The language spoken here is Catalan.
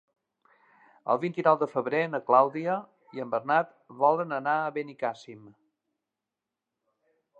El vint-i-nou de febrer na Clàudia i en Bernat volen anar a Benicàssim.